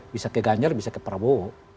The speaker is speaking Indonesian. bisa ke ganjar bisa ke prabowo